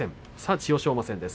千代翔馬戦です。